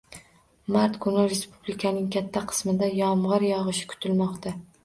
Mart kuni respublikaning katta qismida yomgʻir yogʻishi kutilmoqda.